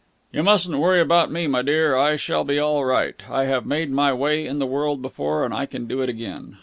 "You mustn't worry about me, my dear. I shall be all right. I have made my way in the world before, and I can do it again.